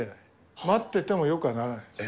待っててもよくはならないです。